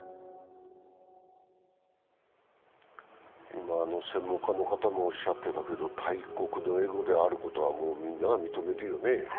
今、専門家の方もおっしゃってたけど大国のエゴであることはみんなが認めるよね。